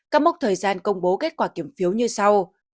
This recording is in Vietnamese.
các mốc thời gian công bố kết quả kiểm phiếu như sau